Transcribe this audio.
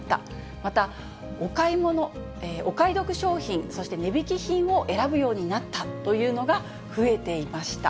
また、お買い得商品、そして値引き品を選ぶようになったというのが増えていました。